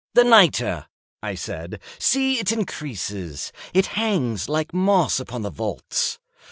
"The nitre!" I said: "see, it increases. It hangs like moss upon the vaults.